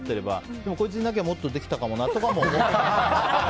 でも、こいついなきゃもっとできたかもなとも思ったりするし。